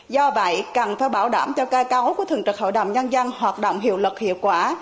do vậy cần phải bảo đảm cho cây cáo của thường trực hội đồng nhân dân hoạt động hiệu lực hiệu quả